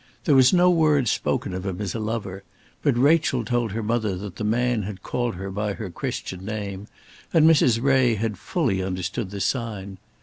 There was no word spoken of him as a lover; but Rachel told her mother that the man had called her by her Christian name, and Mrs. Ray had fully understood the sign.